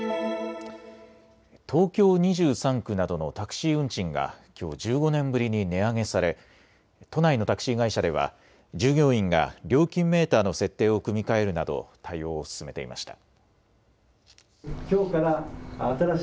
東京２３区などのタクシー運賃がきょう１５年ぶりに値上げされ都内のタクシー会社では従業員が料金メーターの設定を組み替えるなど対応を進めていました。